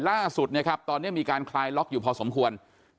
ล่าสุดนะครับตอนนี้มีการคลายล็อกอยู่พอสมควร